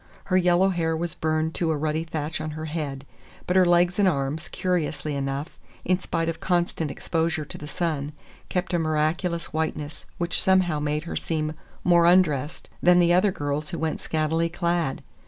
Her yellow hair was burned to a ruddy thatch on her head; but her legs and arms, curiously enough, in spite of constant exposure to the sun, kept a miraculous whiteness which somehow made her seem more undressed than other girls who went scantily clad.